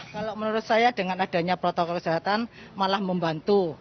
kalau menurut saya dengan adanya protokol kesehatan malah membantu